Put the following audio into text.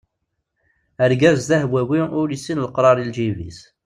Argaz d ahwawi ur yessin leqrar i lǧib-is.